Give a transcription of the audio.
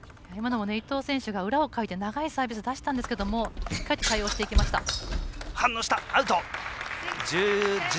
今のも伊藤選手が裏をかいて長いサービスを出したんですが対応していきました。